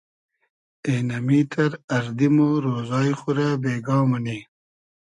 اېنئمیتئر اردی مۉ رۉزای خو رۂ بېگا مونی